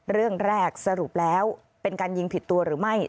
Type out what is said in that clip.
เรื่องแรกสรุปแล้วเป็นการยิงผิดตัวหรือไม่